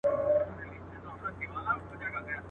که دښمن لرې په ښار کي راته وایه.